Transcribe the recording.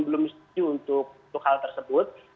belum setuju untuk hal tersebut